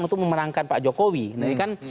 untuk memenangkan pak jokowi ini kan